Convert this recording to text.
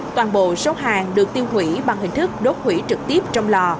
toàn bộ số hàng được tiêu hủy bằng hình thức đốt hủy trực tiếp trong lò